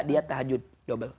dia tahajud double